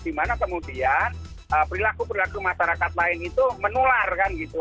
dimana kemudian perilaku perilaku masyarakat lain itu menular kan gitu